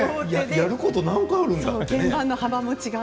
やることが何個あるんだろう？